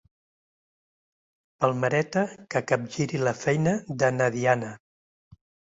Palmereta que capgiri la feina de na Diana.